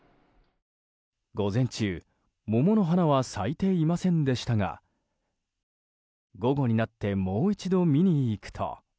午前中、桃の花は咲いていませんでしたが午後になってもう一度見に行くと。